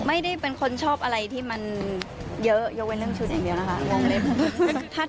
ไม่ได้เป็นคนชอบอะไรที่มันเยอะ